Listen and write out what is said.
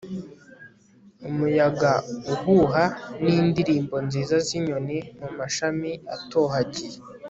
umuyaga uhuha n'indirimbo nziza z'inyoni mu mashami atohagiye